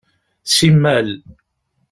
Simmal.